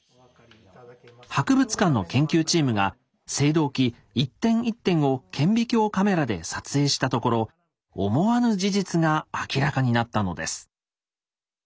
博物館の研究チームが青銅器一点一点を顕微鏡カメラで撮影したところ思わぬ事実が明らかになったのです。